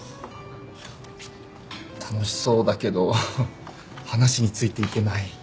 楽しそうだけど話についていけない。